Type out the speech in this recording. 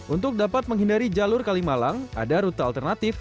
untuk dapat menghindari jalur kalimalang ada rute alternatif